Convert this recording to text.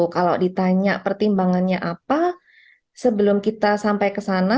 kalau ditanya pertimbangannya apa sebelum kita sampai ke sana